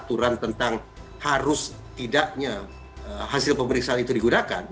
aturan tentang harus tidaknya hasil pemeriksaan itu digunakan